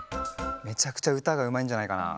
めちゃくちゃうたがうまいんじゃないかなあ。